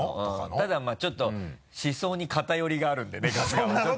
ただまぁちょっと思想に偏りがあるんでね春日はちょっと。